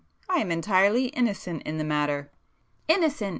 I am entirely innocent in the matter!" "Innocent!"